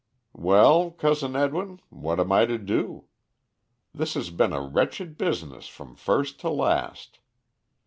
"Well, Cousin Edwin, what am I to do? This has been a wretched business from first to last.